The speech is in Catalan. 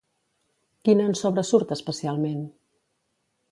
Quina en sobresurt especialment?